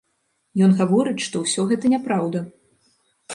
Ён гаворыць, што ўсё гэта няпраўда.